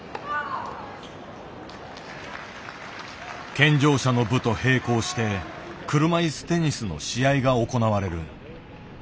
健常者の部と並行して車いすテニスの試合が行われる。